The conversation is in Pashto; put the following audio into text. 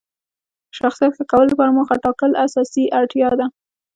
د شخصیت ښه کولو لپاره موخه ټاکل اساسي اړتیا ده.